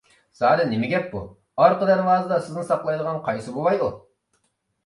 زادى نېمە گەپ بۇ؟ ئارقا دەرۋازىدا سىزنى ساقلايدىغان قايسى بوۋاي ئۇ؟